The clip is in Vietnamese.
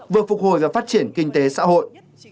vừa phục hồi và phát triển kinh tế xã hội